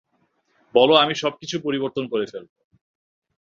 বলো, আমি সব কিছু পরিবর্তন করে ফেলবো।